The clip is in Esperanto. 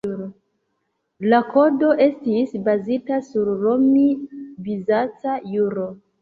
La Kodo estis bazita sur romi-bizanca juro.